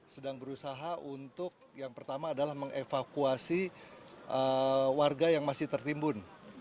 sedang berusaha untuk yang pertama adalah mengevakuasi warga yang masih tertimbun